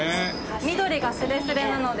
緑がすれすれなので。